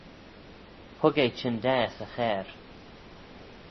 Hug eh chyndaa 'sy charr